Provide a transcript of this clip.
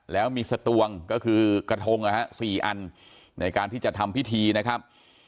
แล้วมีสตวงก็คือกระทงนะฮะ๔อันในการที่จะทำพิธีนะครับ